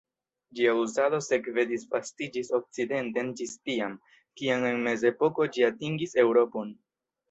Ĝia uzado sekve disvastiĝis okcidenten ĝis tiam, kiam en Mezepoko ĝi atingis Eŭropon.